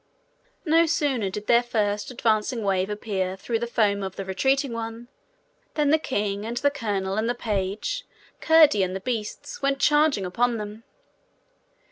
No sooner did their first advancing wave appear through the foam of the retreating one, than the king and the colonel and the page, Curdie and the beasts, went charging upon them.